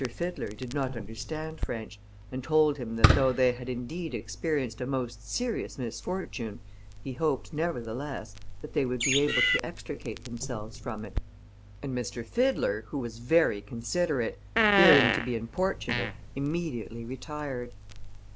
Fiddler did not understand French, and told him that though they had indeed experienced a most serious misfortune, he hoped, nevertheless, that they would be able to extricate themselves from it; and M. Fiddler, who was very considerate, fearing to be importunate, immediately retired.